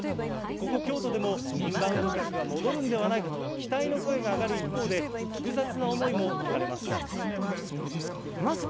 ここ、京都でも、インバウンド客が戻るんではないかと期待の声が上がる一方で、複雑な思いも聞かれます。